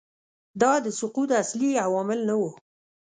دا د سقوط اصلي عوامل نه وو